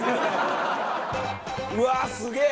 うわっすげえ！